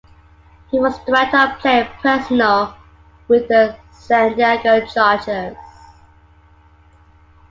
He was the director of player personnel with the San Diego Chargers.